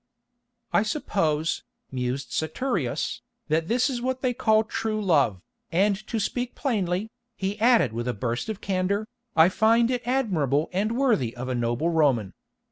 "I suppose," mused Saturius, "that this is what they call true love, and to speak plainly," he added with a burst of candour, "I find it admirable and worthy of a noble Roman.